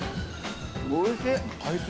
おいしい。